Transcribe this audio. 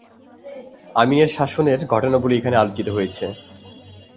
আমিনের শাসনের ঘটনাবলি এখানে আলোচিত হয়েছে।